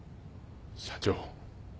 社長。